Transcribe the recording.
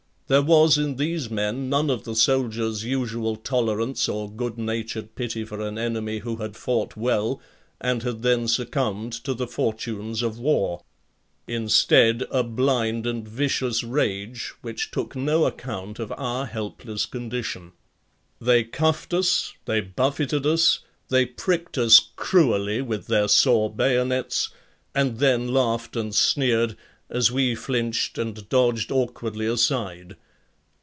There was in these men none of the soldier's usual tolerance or good natured pity for an enemy who had fought well and had then succumbed to the fortunes of war. Instead, a blind and vicious rage which took no account of our helpless condition. They cuffed us, they buffeted us, they pricked us cruelly with their saw bayonets and then laughed and sneered as we flinched and dodged awkwardly aside.